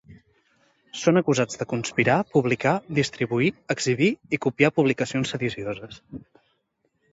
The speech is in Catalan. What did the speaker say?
Són acusats de “conspirar, publicar, distribuir, exhibir i copiar publicacions sedicioses”.